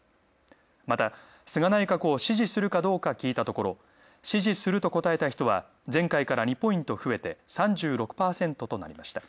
また、菅内閣を支持するかどうか聞いたところ、支持すると答えた人は前回から２ポイント増えて、３６％となりました。